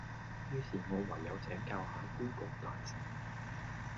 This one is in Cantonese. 於是我唯有請教下 Google 大神